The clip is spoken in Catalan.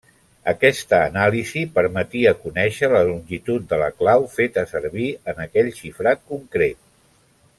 Aquesta anàlisi permetia conèixer la longitud de la clau feta servir en aquell xifrat concret.